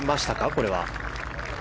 これは。